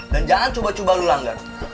dan jangan cuma cuma lo langgar